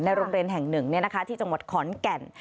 โรงเรียนแห่งหนึ่งที่จังหวัดขอนแก่น